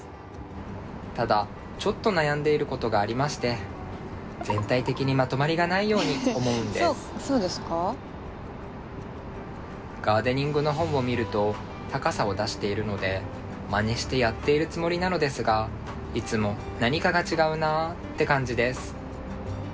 ただちょっと悩んでいることがありましてガーデニングの本を見ると高さを出しているのでまねしてやっているつもりなのですがいつも「何かが違うな」って感じです。